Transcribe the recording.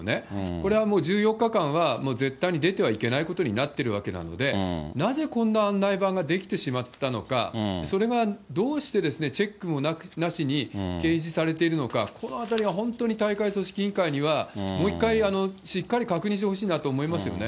これはもう１４日間は、もう絶対に出てはいけないことになってるわけなので、なぜこんな案内板が出来てしまったのか、それが、どうしてチェックもなしに掲示されているのか、このあたりが本当に大会組織委員会には、もう一回、しっかり確認してほしいなと思いますよね。